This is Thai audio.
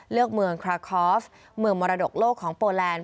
เมืองคลาคอฟเมืองมรดกโลกของโปแลนด